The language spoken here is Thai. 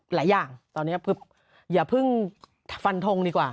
หลายอย่างตอนนี้อย่าเพิ่งฟันทงดีกว่า